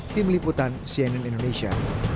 tim liputan cnn indonesia